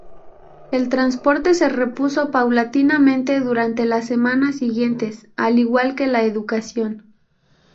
El transporte se repuso paulatinamente durante las semanas siguientes, al igual que la educación.